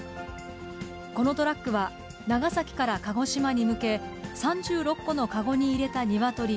このトラックは、長崎から鹿児島に向け、３６個の籠に入れたニワトリ